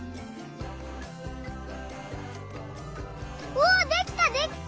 おおできた！でっか！